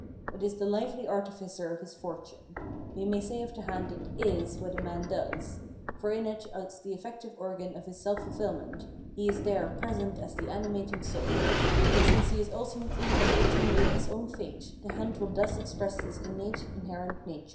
It is the hvely artificer of his fortune : we may say of the hand it is what a man does, for in it as the effective organ of his self fulfilment he is there present as the animating soul ; and since he is ultimately and origin ally his own fate, the hand will thus express this innate inherent nature.